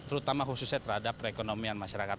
terutama khususnya terhadap perekonomian masyarakat